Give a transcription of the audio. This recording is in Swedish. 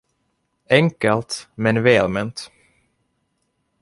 Enkelt, men välment!